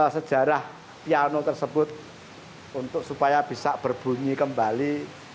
sejarah piano tersebut untuk supaya bisa berbunyi kembali